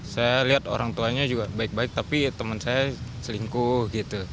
saya lihat orang tuanya juga baik baik tapi teman saya selingkuh gitu